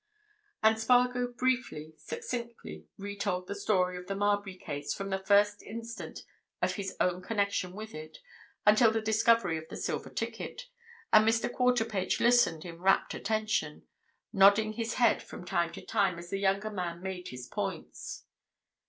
And Spargo, briefly, succinctly, re told the story of the Marbury case from the first instant of his own connection with it until the discovery of the silver ticket, and Mr. Quarterpage listened in rapt attention, nodding his head from time to time as the younger man made his points.